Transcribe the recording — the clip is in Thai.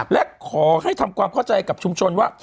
และขอให้ทำความเข้าใจกับชุมชนว่า